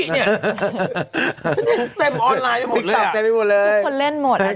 ฉันได้เต็มออนไลน์กันหมดเลยอ่ะทุกคนเล่นหมดอันนี้นิดกว่าเต็มไปหมดเลย